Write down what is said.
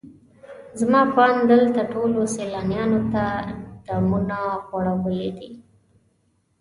زما په اند دلته ټولو سیلانیانو ته دامونه غوړولي دي.